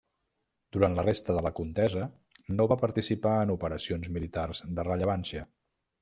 Durant la resta de la contesa no va participar en operacions militars de rellevància.